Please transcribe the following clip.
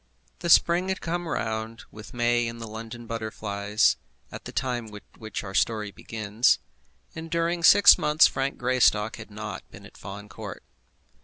The spring had come round, with May and the London butterflies, at the time at which our story begins, and during six months Frank Greystock had not been at Fawn Court.